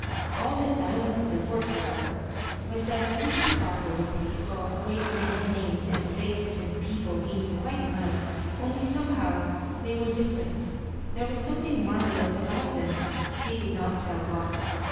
All that diamond could report, however, was, that through the star holes he saw a great many things and places and people he knew quite well, only somehow they were different there was something marvellous about them he could not tell what.